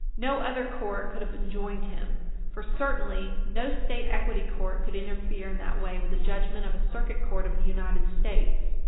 No other court could have enjoined him, for certainly no State equity court could interfere in that way with the judgment of a Circuit Court of the United States.